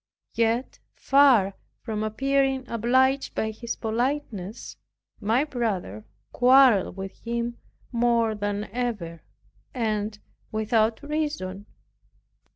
Yet far from appearing obliged by his politeness, my brother quarreled with him more than ever, and without reason.